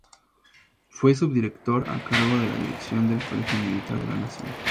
Fue Subdirector a cargo de la dirección del Colegio Militar de la Nación.